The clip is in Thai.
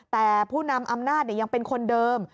แต่ผู้นำอำนาจยังเป็นคนเดิม